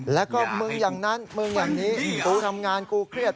แล้วก็มึงอย่างนั้นมึงอย่างนี้กูทำงานกูเครียด